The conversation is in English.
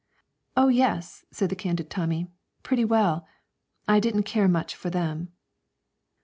'Oh yes,' said the candid Tommy; 'pretty well. I didn't care much for them.'